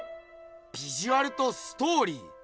ビジュアルとストーリー。